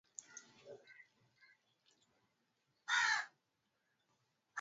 Damu kwenye moyo na utumbo